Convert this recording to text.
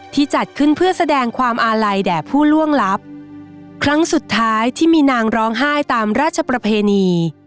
จัดขึ้นเพื่อแสดงความอาลัยแด่ผู้ล่วงลับครั้งสุดท้ายที่มีนางร้องไห้ตามราชประเพณี